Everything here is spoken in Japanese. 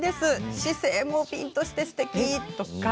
姿勢もピーンとして、すてき。